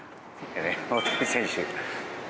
大谷選手。